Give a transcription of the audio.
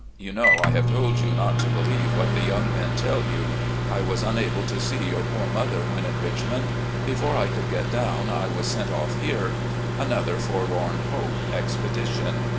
You know I have told you not to believe what the yotmg men tell you. I was unable to see your poor mother when in Richmond. Before I could get down I was sent off here. Another forlorn hope expedition.